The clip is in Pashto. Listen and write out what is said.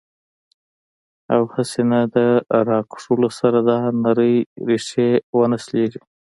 او هسې نه د راښکلو سره دا نرۍ ريښې ونۀ شليږي